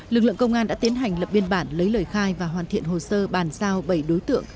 lực lượng công an đã tiến hành lập biên bản lấy lời khai và hoàn thiện hồ sơ bàn giao bảy đối tượng